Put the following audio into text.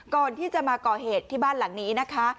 ก่อนที่จะมาก่อเหตุที่บ้านหลังนี้นะคะ